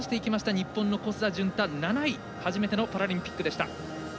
日本の小須田潤太、７位初めてのパラリンピックでした。